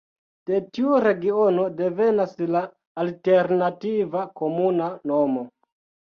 De tiu regiono devenas la alternativa komuna nomo.